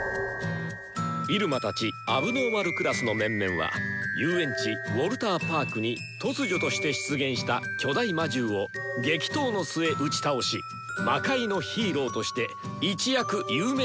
入間たち問題児クラスの面々は遊園地ウォルターパークに突如として出現した巨大魔獣を激闘の末打ち倒し魔界のヒーローとして一躍有名になった。